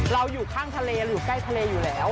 อยู่ข้างทะเลอยู่ใกล้ทะเลอยู่แล้ว